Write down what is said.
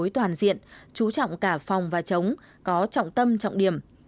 tiện chú trọng cả phòng và chống có trọng tâm trọng điểm